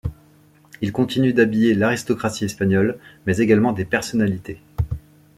Il continue d'habiller l'aristocratie espagnole mais également des personnalités.